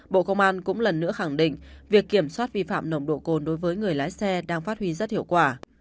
bộ công an cũng lần nữa khẳng định việc kiểm soát vi phạm nồng độ cồn đối với người lái xe đang phát huy rất hiệu quả